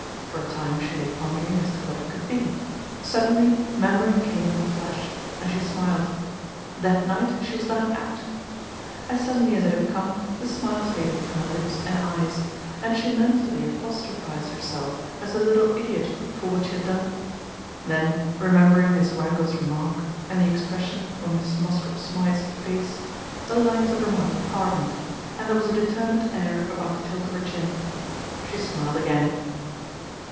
For a time she lay pondering as to what it could be. Suddenly memory came with a flash, and she smiled. That night she was dining out ! As suddenly as it had come the smile faded from her lips and eyes, and she mentally apostro phised herself as a little idiot for what she had done. Then, remembering Miss Wangle's remark and the expression on Mrs. Mosscrop Smythe's face, the lines of her mouth hardened, and there was a determined air about the tilt of her chin. She smiled again.